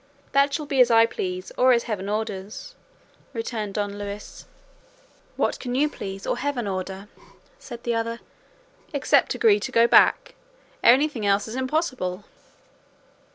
"That shall be as I please, or as heaven orders," returned Don Luis. "What can you please or heaven order," said the other, "except to agree to go back? Anything else is impossible."